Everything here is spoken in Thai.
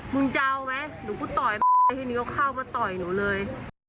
มึงจะเอาไหมหนูก็ต่อยมาแล้วทีนี้เขาเข้ามาต่อยหนูเลย